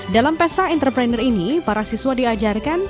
dalam pesta entrepreneur ini para siswa diajarkan